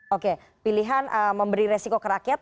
oke pilihan memberi resiko ke rakyat